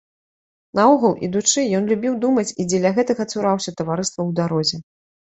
Наогул, ідучы, ён любіў думаць і дзеля гэтага цураўся таварыства ў дарозе.